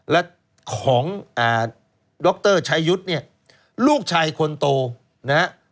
และของดรชายุทธ์เนี่ยลูกชายคนโตนะฮะ